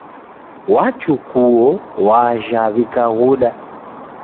W'achukuo w'ajha w'ikaghuda